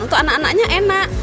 untuk anak anaknya enak